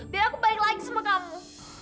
biar aku balik lagi sama kamu